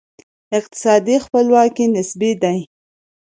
اقتصادي خپلواکي نسبي ده.